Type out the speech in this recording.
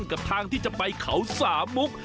กับทางที่จะไปเขาสามมุก